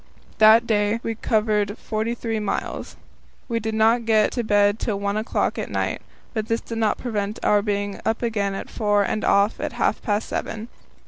That day we covered forty three miles. We did not get to bed till one o'clock at night, but this did not prevent our being up again at four and off at half past seven.